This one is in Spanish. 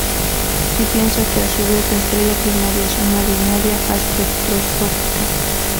Se piensa que, a su vez, la estrella primaria es una binaria espectroscópica.